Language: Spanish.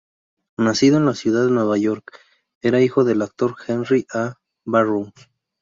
Nacido en la ciudad de Nueva York, era hijo del actor Henry A. Barrows.